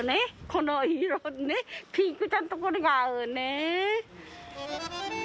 この色ねピンクとこれが合うね